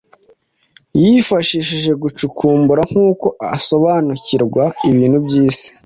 yifashishije gucukumbura nk’uko asobanukirwa ibintu by’isi.